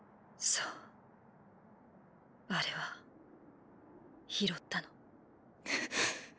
そうあれは拾ったの。